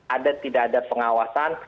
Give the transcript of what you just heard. ada tidak ada pengawasan